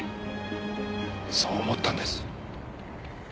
そう思ったんです。